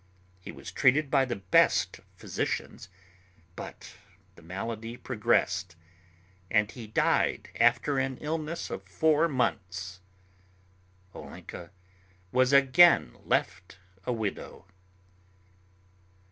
He was treated by the best physicians, but the malady progressed, and he died after an illness of four months. Olenka was again left a widow.